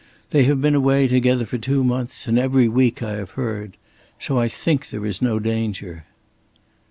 They have been away together for two months, and every week I have heard. So I think there is no danger."